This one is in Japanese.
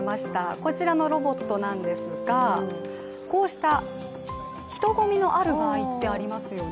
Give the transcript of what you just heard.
こちらのロボットなんですが、こうした、人混みのある場合ってありますよね。